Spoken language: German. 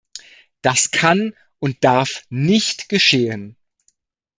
Das kann und darf nicht geschehen.